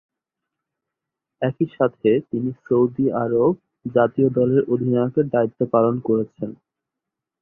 একই সাথে তিনি সৌদি আরব জাতীয় দলের অধিনায়কের দায়িত্ব পালন করছেন।